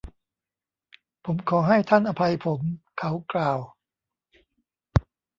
ผมขอให้ท่านอภัยผม เขากล่าว